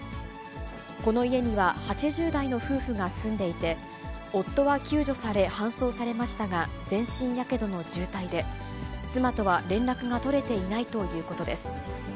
この家には８０代の夫婦が住んでいて、夫は救助され搬送されましたが、全身やけどの重体で、妻とは連絡が取れていないということです。